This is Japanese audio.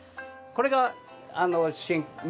これが。